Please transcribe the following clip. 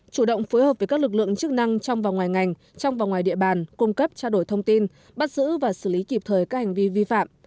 chủ động phối hợp với các lực lượng chức năng trong và ngoài ngành trong và ngoài địa bàn cung cấp trao đổi thông tin bắt giữ và xử lý kịp thời các hành vi vi phạm